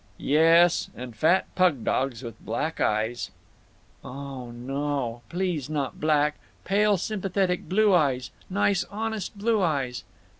"Yes! And fat pug dogs with black eyes." "Oh no o o! Please not black! Pale sympathetic blue eyes—nice honest blue eyes!"